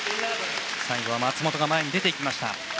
最後は松本が前に出ていきました。